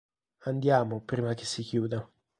Andiamo prima che si chiuda".